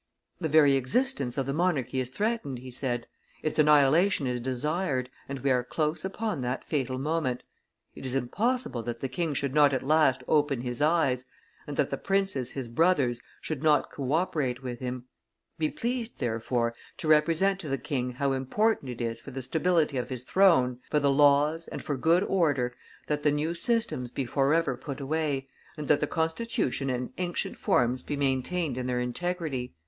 "The very existence of the monarchy is threatened," he said, "its annihilation is desired, and we are close upon that fatal moment. It is impossible that the king should not at last open his eyes, and that the princes his brothers should not co operate with him; be pleased, therefore, to represent to the king how important it is for the stability of his throne, for the laws, and for good order, that the new systems be forever put away, and that the constitution and ancient forms be maintained in their integrity."